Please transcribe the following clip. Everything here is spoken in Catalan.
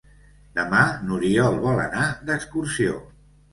Demà n'Oriol vol anar d'excursió.